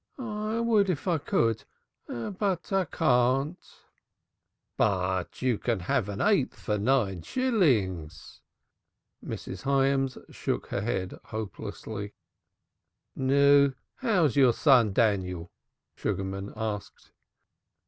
"I would if I could, but I can't." "But you can have an eighth for nine shillings." Mrs. Hyams shook her head hopelessly. "How is your son Daniel?" Sugarman asked.